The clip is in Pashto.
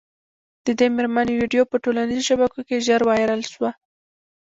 د دې مېرمني ویډیو په ټولنیزو شبکو کي ژر وایرل سوه